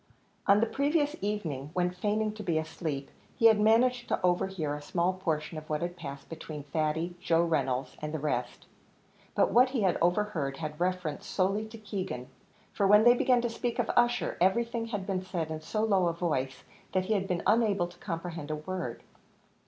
On the previous evening, when feigning to be asleep, he had managed to overhear a small portion of what had passed between Thady, Joe Reynolds, and the rest; but what he had overheard had reference solely to Keegan; for when they began to speak of Ussher, everything had been said in so low a voice, that he had been unable to comprehend a word.